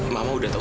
mama udah tahu